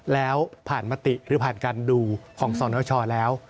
แล้วผ่านมติหรือผ่านการดูของสนชแล้ว